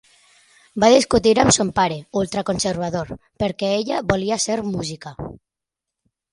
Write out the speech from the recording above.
Va discutir amb son pare, ultraconservador, perquè ella volia ser música.